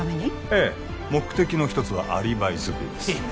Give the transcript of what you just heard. ええ目的の一つはアリバイづくりですいや